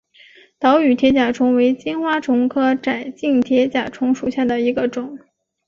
岛屿铁甲虫为金花虫科窄颈铁甲虫属下的一个种。